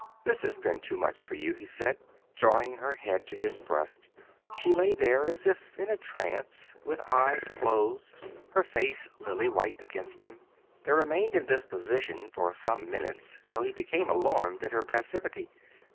"This has been too much for you," he said, drawing her head to his breast. She lay there as if in a trance, with eyes closed, her face lily white against him. They remained in this position for some minutes till he became alarmed at her passivity.